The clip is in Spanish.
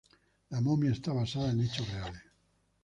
La momia está basada en hechos reales.